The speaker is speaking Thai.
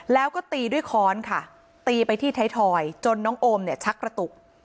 แล้วก็ตีด้วยค้อนค่ะตีไปที่ไทยทอยจนน้องโอมเนี่ยชักกระตุก